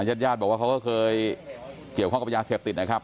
ญาติญาติบอกว่าเขาก็เคยเกี่ยวข้องกับยาเสพติดนะครับ